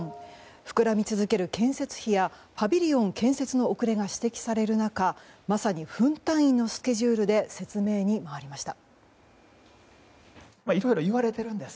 膨らみ続ける建設費やパビリオン建設の遅れが指摘される中まさに分単位のスケジュールで説明に回りました。